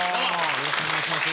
よろしくお願いします。